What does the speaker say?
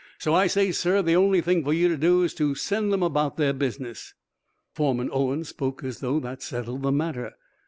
So I say, sir, the only thing for you to do is to send them about their business." Foreman Owen spoke as though that settled the matter.